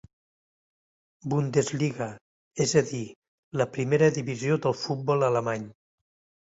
Bundesliga, és a dir la primera divisió del futbol alemany.